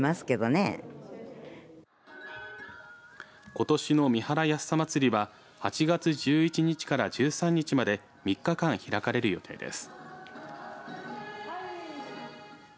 ことしの三原やっさ祭りは８月１１日から１３日まで３日間、開かれる予定です。